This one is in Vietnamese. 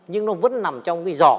nhưng nó vẫn nằm trong cái giỏ